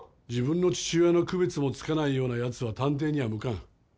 自分の父親の区別もつかないようなやつは探偵には向かん。